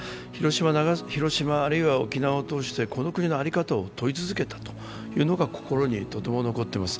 広島、あるいは沖縄を通して、この国のあり方を問い続けたというのが心にとても残っています。